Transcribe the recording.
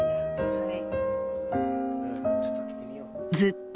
はい。